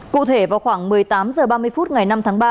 cụ thể vào khoảng một mươi tám h ba mươi phút ngày năm tháng ba